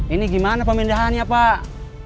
ini gimana pemindahannya pak